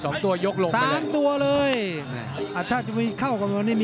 ครับครับครับครับครับครับครับครับครับครับ